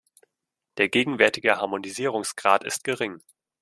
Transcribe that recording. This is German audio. Der gegenwärtige Harmonisierungsgrad ist gering.